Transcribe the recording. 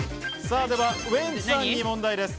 ウエンツさんに問題です。